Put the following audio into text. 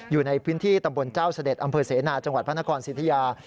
อยู่ในพื้นที่ตำบลเจ้าเสด็จอำเภอเสนาจังหวัดพระนครสิทธิยา